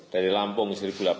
dari lampung seribu delapan ratus